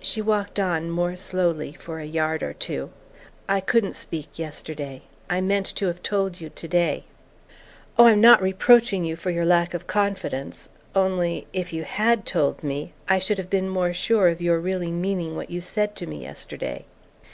She walked on, more slowly, for a yard or two. "I couldn't speak yesterday. I meant to have told you today." "Oh, I'm not reproaching you for your lack of confidence. Only, if you HAD told me, I should have been more sure of your really meaning what you said to me yesterday."